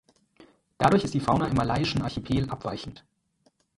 Dadurch ist die Fauna im Malaiischen Archipel abweichend.